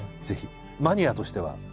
ぜひマニアとしては。